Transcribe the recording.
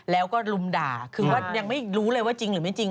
แล้วก็ลุมด่าคือว่ายังไม่รู้เลยว่าจริงหรือไม่จริง